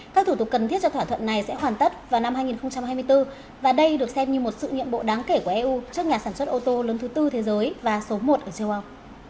các thủ tục cần thiết cho thỏa thuận này sẽ hoàn tất vào năm hai nghìn hai mươi bốn và đây được xem như một sự nhiệm bộ đáng kể của eu trước nhà sản xuất ô tô lớn thứ tư thế giới và số một ở châu âu